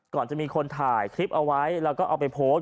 ก่อนจะมีคนถ่ายคลิปเอาไว้แล้วก็เอาไปโพสต์